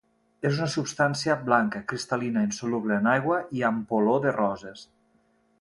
És una substància blanca cristal·lina, insoluble en aigua i amb olor de roses.